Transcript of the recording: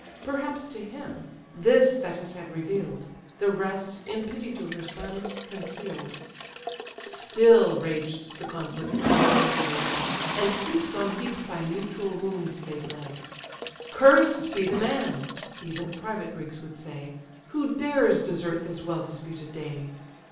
Perhaps to him: this Thetis had reveal'd; The rest, in pity to her son, conceal'd. Still raged the conflict round the hero dead, And heaps on heaps by mutual wounds they bled. "Cursed be the man (even private Greeks would say) Who dares desert this well disputed day!